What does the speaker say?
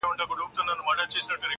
• لوستونکی ژور فکر ته ځي تل,